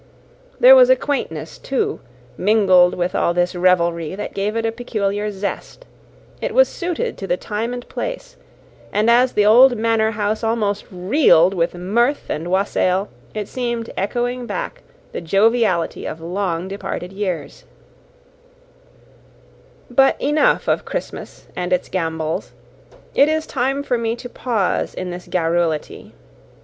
There was a quaintness, too, mingled with all this revelry that gave it a peculiar zest; it was suited to the time and place; and as the old Manor House almost reeled with mirth and wassail, it seemed echoing back the joviality of long departed years. * See Note K. But enough of Christmas and its gambols; it is time for me to pause in this garrulity.